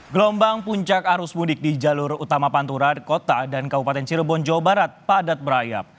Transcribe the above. gelombang puncak arus mudik di jalur utama pantura kota dan kabupaten cirebon jawa barat padat berayap